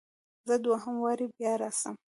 زه دوهم واري بیا راسم؟